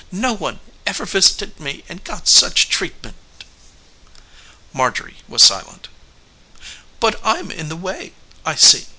No one ever visited me and got such treatment." Marjorie was silent. "But I'm in the way, I see.